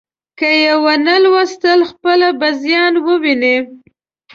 که یې ونه ولوستل، خپله به زیان وویني.